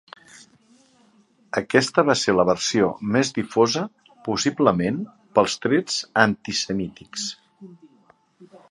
Aquesta va ser la versió més difosa, possiblement pels trets antisemítics.